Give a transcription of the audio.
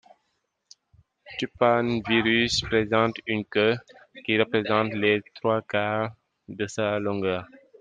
Tupanvirus présente une queue qui représente les trois quarts de sa longueur.